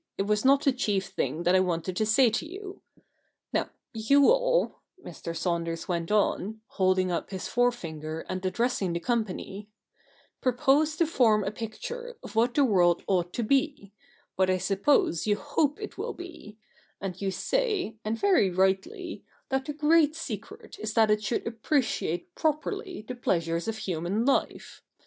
It was not the chief thing that I wanted to say to you. Now, you all,' Mr. Saunders went on, holding up his forefinger and addressing the company, ' propose to form a picture of what the world ought to be — what I suppose you hope it will be ; and you say, and very rightly, that the great secret is that it should appreciate properly the pleasures of human life.